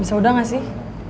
bisa udah gak sih